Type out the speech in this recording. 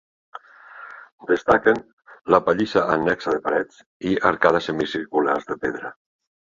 Destaquen la pallissa annexa de parets i arcades semicirculars de pedra.